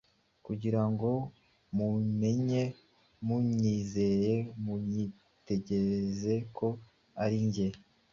kugira ngo mumenye munyizere munyitegereze ko ari jye: